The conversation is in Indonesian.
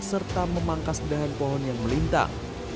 serta memangkas bedahan pohon yang melintas